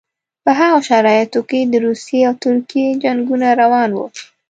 په هغو شرایطو کې د روسیې او ترکیې جنګونه روان وو.